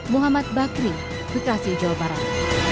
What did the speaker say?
muhammad bakri bekasi jawa barat